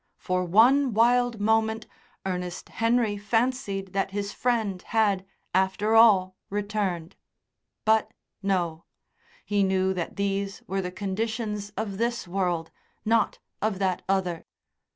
For one wild moment Ernest Henry fancied that his friend had, after all, returned. But no. He knew that these were the conditions of this world, not of that other.